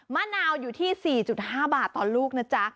มะนาวอยู่ที่๔๕บาทต่อลูกนะจ๊ะ